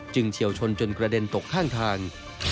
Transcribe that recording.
เฉียวชนจนกระเด็นตกข้างทาง